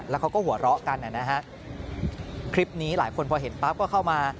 แล้วเขาก็หัวเราะกันนะฮะคลิปนี้หลายคนพอเห็นปั๊บก็เข้ามา